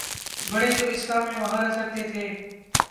بڑے تو اس کام میں مہارت رکھتے تھے۔